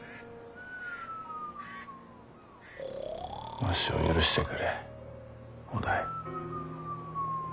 わしを許してくれ於大。